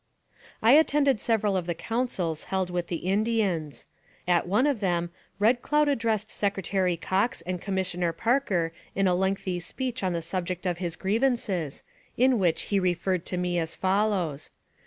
I attended several of the councils held with the In AMONG THE SIOUX INDIANS. 253 dians. At one of them, Red Cloud addressed Secretary Cox and Commissioner Parker in a lengthy speech on the subject of his grievances, in which he referred to me as follows.